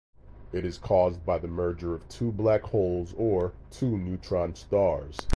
It is caused by the merger of two black holes or two neutron stars.